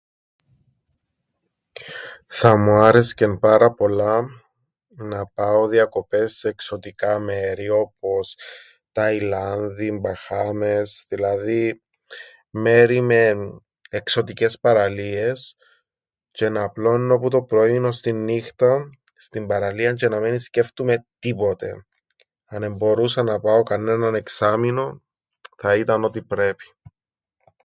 Θα μου άρεσκεν πάρα πολλά να πάω διακοπές σε εξωτικά μέρη, όπως Ταϊλάνδη, Μπαχάμες... δηλαδή μέρη με... εξωτικές παραλίες, τζ̆αι να απλώννω που το πρωίν ώς την νύχταν στην παραλίαν τζ̆αι να μεν ι-σκέφτουμαι τίποτε! Αν εμπορούσα να πάω κανέναν εξάμηνον, θα ήταν ό,τι πρέπει.